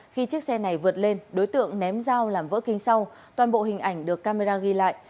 khi chiếc xe này vượt lên đối tượng ném dao làm vỡ kính sau toàn bộ hình ảnh được camera ghi lại